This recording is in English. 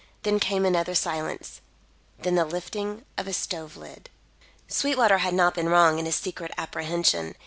Then came another silence then the lifting of a stove lid. Sweetwater had not been wrong in his secret apprehension.